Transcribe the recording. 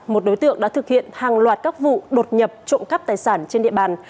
một đối tượng đã thực hiện hàng loạt các vụ đột nhập trộm cắp tài sản trên địa bàn